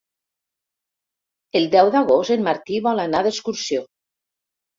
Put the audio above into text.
El deu d'agost en Martí vol anar d'excursió.